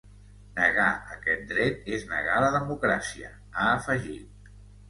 Negar aquest dret és negar la democràcia, ha afegit.